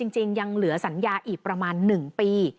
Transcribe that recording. ยังเหลือสัญญาอีกประมาณ๑ปี